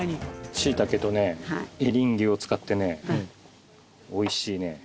シイタケとねエリンギを使ってね美味しいね